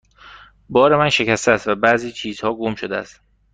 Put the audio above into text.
بار من شکسته است و بعضی چیزها گم شده است.